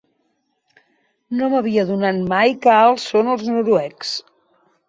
No m'havia adonat mai què alts són els noruecs.